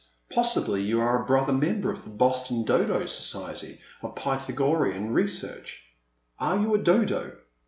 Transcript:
Possibly you are a brother member of the Boston Dodo Society of Pythagorean Research. Are you a Dodo?'